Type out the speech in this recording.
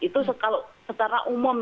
itu kalau secara umum